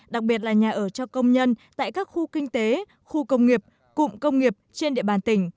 đặc biệt là nhà ở cho công nhân tại các khu kinh tế khu công nghiệp cụm công nghiệp trên địa bàn tỉnh